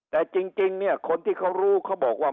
แต่จริงเนี่ยคนที่เขารู้เขาบอกว่า